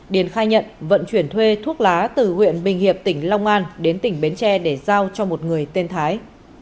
điền khai nhận vận chuyển thuê thuốc lá từ huyện bình hiệp tỉnh long an đến tỉnh bến tre để giao cho một người tên thái